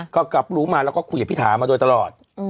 ก็กลับรู้มาแล้วก็คุยกับพี่ถามาโดยตลอด